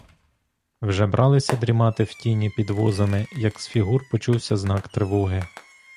Вже бралися дрімати в тіні під возами, як з фігур почувся знак тривоги.